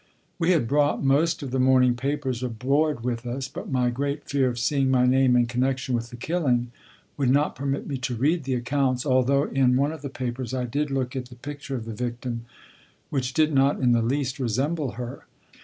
We had brought most of the morning papers aboard with us, but my great fear of seeing my name in connection with the killing would not permit me to read the accounts, although, in one of the papers, I did look at the picture of the victim, which did not in the least resemble her.